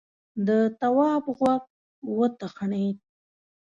د تواب غوږ وتخڼيد: